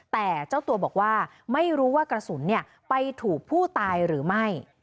แต่เจ้าตัวบอกว่าไม่รู้ว่ากระสุนไปถูกผู้ตายหรือไม่